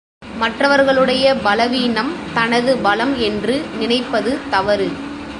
மற்றவர்களுடைய பலவீனம், தனது பலம் என்று நினைப்பது தவறு.